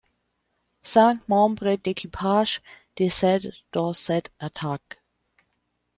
Cinq membres d'équipage décèdent dans cette attaque.